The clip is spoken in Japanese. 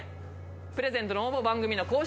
プレゼントの応募番組の公式